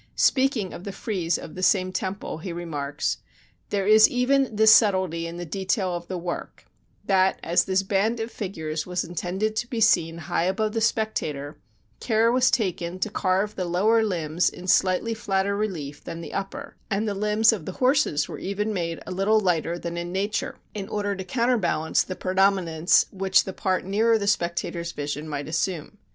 Speaking of the frieze of the same temple, he remarks: "There is even this subtlety in the detail of the work that, as this band of figures was intended to be seen high above the spectator, care was taken to carve the lower limbs in slightly flatter relief than the upper, and the limbs of the horses were even made a little lighter than in nature, in order to counterbalance the predominance which the part nearer to the spectator's vision might assume."